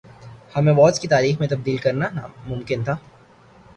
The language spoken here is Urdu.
ہم ایوارڈز کی تاریخ تبدیل کرنا ناممکن تھا